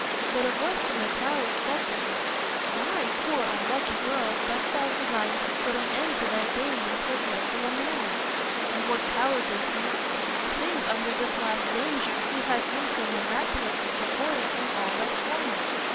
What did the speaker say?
But a voice from the tower said to her, "Why, poor unlucky girl, dost thou design to put an end to thy days in so dreadful a manner? And what cowardice makes thee sink under this last danger who hast been so miraculously supported in all thy former?"